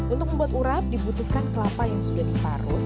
untuk membuat urap dibutuhkan kelapa yang sudah diparut